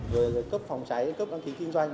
rồi cấp phòng cháy cấp đăng ký kinh doanh